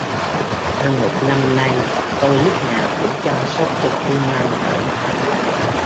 Hơn một năm nay tôi lúc nào cũng chăm sóc cho kuman cẩn thận